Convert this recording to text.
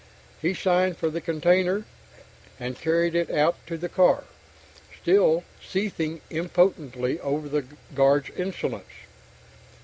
He signed for the container, and carried it out to the car, still seething impotently over the guard's insolence.